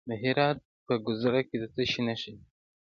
د هرات په ګذره کې د څه شي نښې دي؟